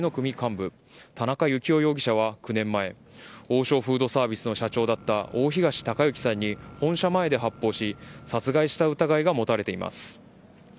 特定危険指定暴力団工藤会系の組幹部、田中幸雄容疑者は９年前、王将フードサービスの社長だった大東隆行さんを本社前で発砲し殺害した疑いが持たれています。